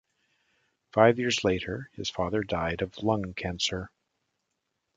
Five years later, his father died of lung cancer.